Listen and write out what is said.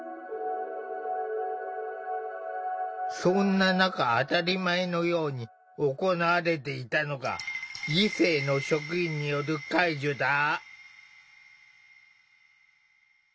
そんな中当たり前のように行われていたのが異性の職員による介助だ。